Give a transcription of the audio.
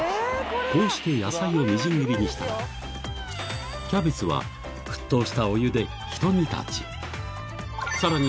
こうして野菜をみじん切りにしたらキャベツは沸騰したお湯でひと煮立ちさらに